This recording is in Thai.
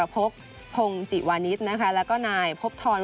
พงศ์จิวานิสและนายพบทร